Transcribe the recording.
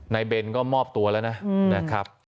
เบนก็มอบตัวแล้วนะครับ